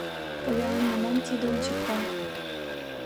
— Поллианна, мом тиде ончыкта?